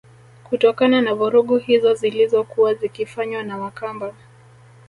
Kutokana na vurugu hizo zilizokuwa zikifanywa na Wakamba